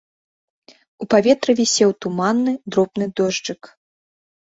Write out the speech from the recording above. У паветры вісеў туманны, дробны дожджык.